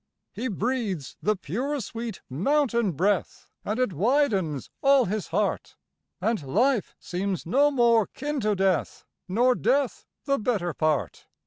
He breathes the pure sweet mountain breath, And it widens all his heart, And life seems no more kin to death, Nor death the better part.